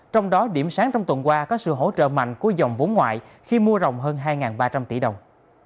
trong đó điểm sáng trong tuần qua có sự hỗ trợ mạnh của dòng vốn ngoại khi mua rồng hơn hai ba trăm linh tỷ đồng